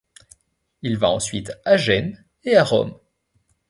Il va ensuite à Gênes et à Rome.